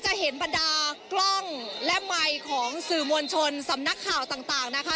จะเห็นบรรดากล้องและไมค์ของสื่อมวลชนสำนักข่าวต่างนะคะ